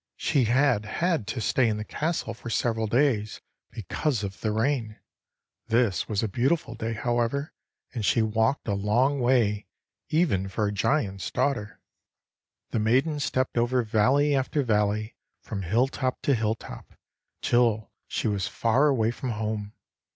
She had had to stay in the castle for several days because of the rain. This was a beautiful day, however, and she walked a long way, even for a giant's daughter. The maiden stepped over valley after valley, from hilltop to hilltop, till she was far away from home.